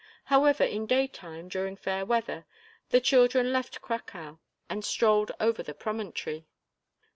However, in daytime, during fair weather, the children left "Cracow" and strolled over the promontory.